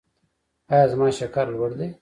ایا زما شکر لوړ دی؟